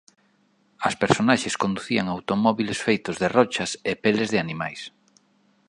As personaxes conducían automóbiles feitos de rochas e peles de animais.